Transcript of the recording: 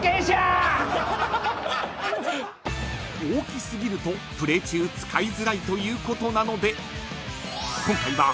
［大きすぎるとプレー中使いづらいということなので今回は］